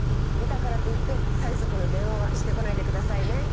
見たからといって催促の電話はして来ないでくださいね。